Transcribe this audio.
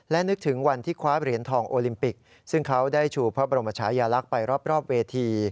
และนึกถึงวันที่คว้าเหรียญทองโอลิมปิกซึ่งเขาได้ชูพระบรมชายาลักษณ์ไปรอบเวที